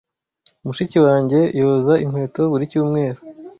Mushiki wanjye yoza inkweto buri cyumweru.